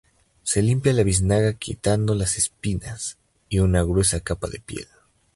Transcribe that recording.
Se limpia la biznaga quitando las espinas y una gruesa capa de piel.